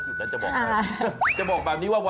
เรื่องของโชคลาบนะคะ